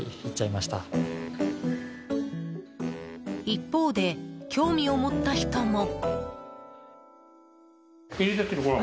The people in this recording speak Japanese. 一方で、興味を持った人も。